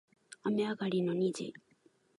雨上がりの虹